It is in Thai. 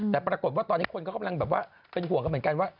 แต่ปรากฏว่าตอนนี้คนก็กำลังแบบว่าเป็นห่วงกันเหมือนกันว่า